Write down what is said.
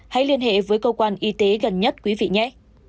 hãy liên hệ với cơ quan y tế gần nhất quý vị nhẹ